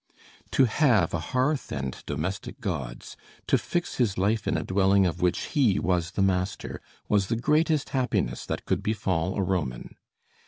To have a hearth and domestic gods, to fix his life in a dwelling of which he was the master, was the greatest happiness that could befall a Roman.